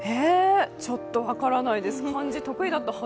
ちょっと分からないです。